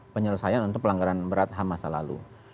penyelesaian untuk pelanggaran berat ham masa lalu